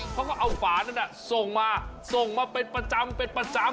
เขาก็เอาฝานั้นส่งมาส่งมาเป็นประจำเป็นประจำ